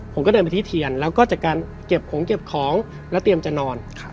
ผมก็เดินไปที่เทียนแล้วก็จากการเก็บของเก็บของแล้วเตรียมจะนอน